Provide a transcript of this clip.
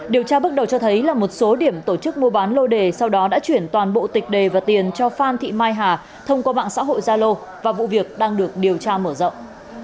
điều tra bước đầu cho thấy là một số điểm tổ chức mua bán lô đề sau đó đã chuyển toàn bộ tịch đề và tiền cho phan thị mai hà thông qua mạng xã hội zalo và vụ việc đang được điều tra mở rộng